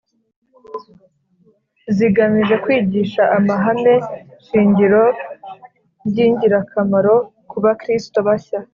zigamije kwigisha amahame-shingiro y'ingirakamaro ku bakristo bashya